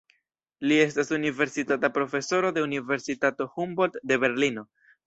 Li estas universitata profesoro de Universitato Humboldt de Berlino.